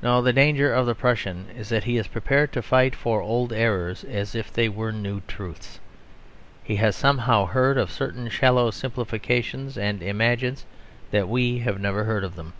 No; the danger of the Pruss is that he is prepared to fight for old errors as if they were new truths. He has somehow heard of certain shallow simplifications; and imagines that we have never heard of them.